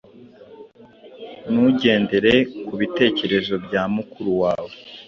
Ntugendere kubitekerezo bya mukuru wawe.